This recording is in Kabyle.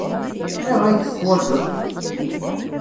Ayɣer ay t-teḥwajeḍ?